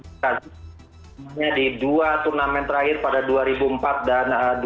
maksudnya di dua peran terakhir pada dua ribu empat dan dua ribu tujuh